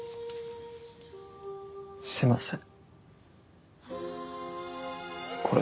すいません。